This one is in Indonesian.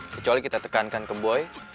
kecuali kita tekankan ke boy